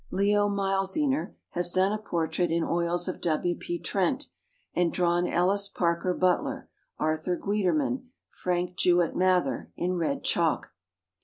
Leo Mielziner has done a portrait in oils of W. P. Trent, and drawn Ellis Parker Butler, Arthur Guiterman, Frank Jewett Mather in red chalk.